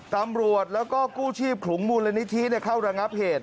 ตำรวจแล้วก็กู้ชีพขลุงมูลนิธิเข้าระงับเหตุ